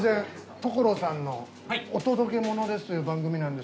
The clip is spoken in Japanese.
所さんの『お届けモノです！』という番組なんですけど。